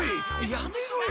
やめろよ！